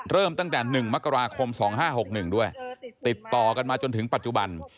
เริ่มตั้งแต่๑มกราคม๒๕๖๑ด้วยติดต่อกันมาจนถึงปัจจุบัน